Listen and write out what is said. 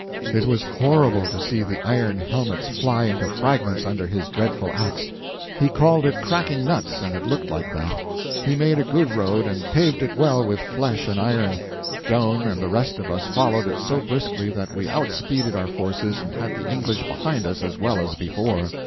It was horrible to see the iron helmets fly into fragments under his dreadful ax. He called it cracking nuts, and it looked like that. He made a good road, and paved it well with flesh and iron. Joan and the rest of us followed it so briskly that we outspeeded our forces and had the English behind us as well as before.